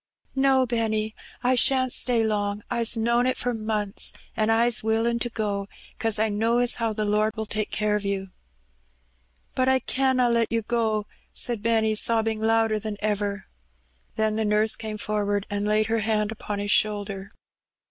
No, Benny, I shan't stay long. I's known it for months, an' I's willin' to go, 'cause I know as how the Lord will take care of you." "But I canna let you go," said Benny, sobbing louder than ever. Then the nurse came forward, and laid her hand upon his shoulder.